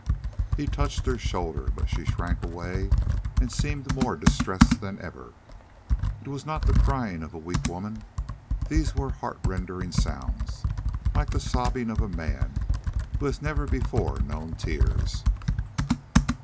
He touched her shoulder, but she shrank away and seemed more distressed than ever. It was not the crying of a weak woman: these were heartrending sounds, like the sobbing of a man who has never before known tears.